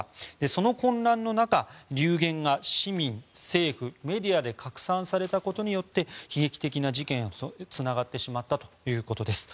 その混乱の中、流言が市民、政府、メディアで拡散されたことによって悲劇的な事件へつながってしまったということです。